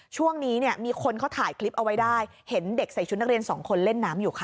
ช่วงนี้เนี่ยมีคนเขาถ่ายคลิปเอาไว้ได้เห็นเด็กใส่ชุดนักเรียนสองคนเล่นน้ำอยู่ค่ะ